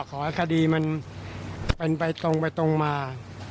ขอให้คดีมันเป็นไปตรงไปตรงมา